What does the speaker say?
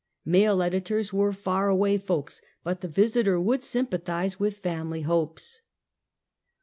Male editors were far away folks, but the Visiter would sympathize with family hopes.